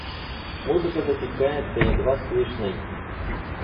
Музыка затихает до едва слышной.